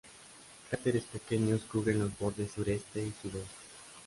Cráteres pequeños cubren los bordes sureste y sudoeste.